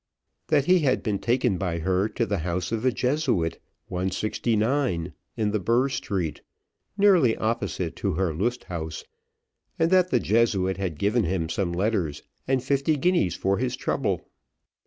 That he had been taken by her to the house of a Jesuit, 169, in the Bur street, nearly opposite to her Lust Haus, and that the Jesuit had given him some letters and fifty guineas for his trouble.